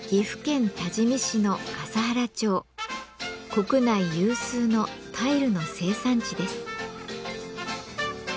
国内有数のタイルの生産地です。